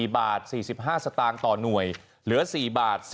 ๔บาท๔๕สตางค์ต่อหน่วยเหลือ๔บาท